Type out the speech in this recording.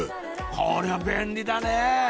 これは便利だね！